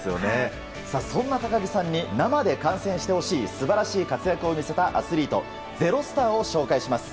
そんな高木さんに生で観戦してほしい素晴らしい活躍を見せたアスリート「＃ｚｅｒｏｓｔａｒ」を紹介します。